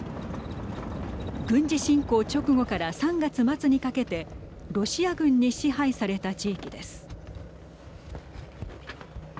軍事侵攻直後から３月末にかけてロシア軍に支配された地域です。